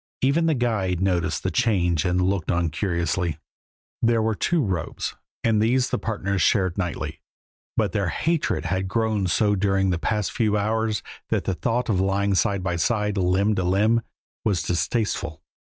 Even the guide noticed the change and looked on curiously. There were two robes and these the partners shared nightly, but their hatred had grown so during the past few hours that the thought of lying side by side, limb to limb, was distasteful.